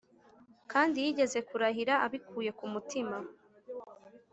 kandi (yigeze kurahira) abikuye ku mutima.